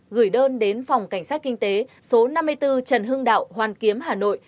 gửi đơn đến phòng cảnh sát kinh tế số năm mươi bốn trần hưng đạo hoàn kiếm hà nội